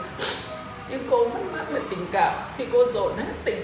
vì bố cũng có mẹ cô đã nghĩ rằng là mẹ đánh trăm que mà cháu đem một tiếng